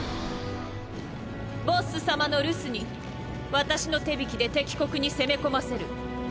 ボッス様の留守に私の手引きで敵国に攻め込ませる